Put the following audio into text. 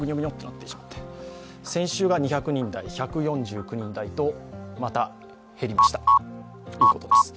先週が２００人台、１４９人とまた減りました、いいことです。